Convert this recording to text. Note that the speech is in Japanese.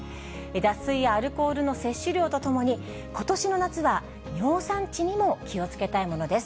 脱水やアルコールの摂取量とともに、ことしの夏は尿酸値にも気をつけたいものです。